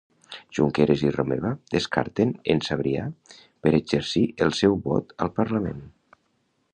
Junqueras i Romeva descarten en Sabrià per exercir el seu vot al Parlament